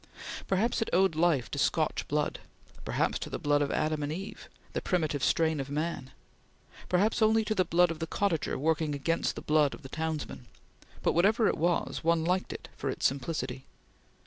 Perhaps it owed life to Scotch blood; perhaps to the blood of Adam and Eve, the primitive strain of man; perhaps only to the blood of the cottager working against the blood of the townsman; but whatever it was, one liked it for its simplicity.